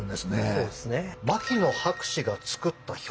そうですね。